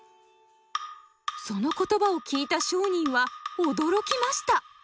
その言葉を聞いた商人は驚きました。